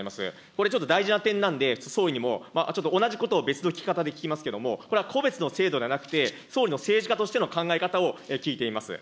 これちょっと、大事な点なんで、総理にもちょっと同じことを別の聞き方で聞きますけども、これは個別の制度ではなくて、総理の政治家としての考え方を聞いています。